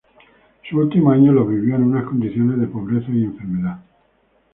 Sus últimos años los vivió en unas condiciones de pobreza y enfermedad.